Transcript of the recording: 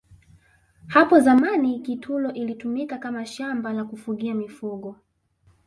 hapo zamani kitulo ilitumika Kama shamba la kufugia mifugo